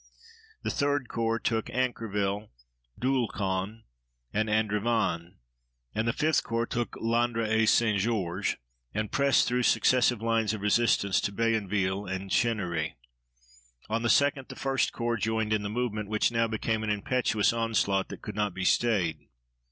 The 3d Corps took Ancreville, Doulcon, and Andevanne, and the 5th Corps took Landres et St. Georges and pressed through successive lines of resistance to Bayonville and Chennery. On the 2d the 1st Corps joined in the movement, which now became an impetuous onslaught that could not be stayed.